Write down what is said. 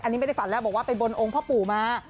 อันนี้ไม่ได้ฝันแล้วบอกว่าไปบนองค์พ่อปู่มา